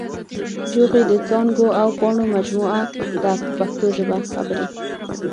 جوغې د څانګو او پاڼو مجموعه ده په پښتو ژبه خبرې.